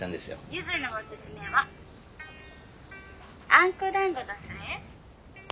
「ゆずのおすすめはあんこ団子どすえ」